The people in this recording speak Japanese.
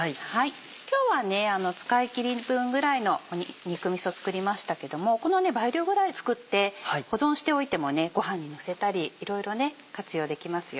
今日は使い切り分ぐらいの肉みそ作りましたけどもこの倍量ぐらい作って保存しておいてもご飯にのせたりいろいろ活用できますよ。